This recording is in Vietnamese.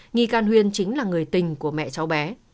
nghi can huyên chính là người tình của mẹ cháu bé